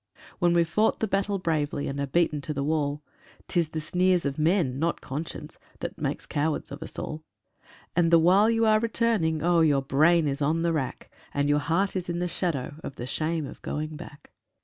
When we've fought the battle bravely and are beaten to the wall, 'Tis the sneers of men, not conscience, that make cowards of us all; And the while you are returning, oh! your brain is on the rack, And your heart is in the shadow of the shame of going back.